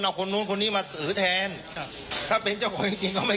เอาคนนู้นคนนี้มาถือแทนครับถ้าเป็นเจ้าของจริงจริงก็ไม่